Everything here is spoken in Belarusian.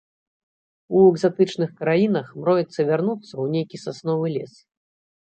У экзатычных краінах мроіцца вярнуцца ў нейкі сасновы лес.